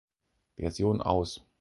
Version“ aus.